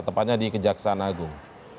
tepatnya di kejaksaan agung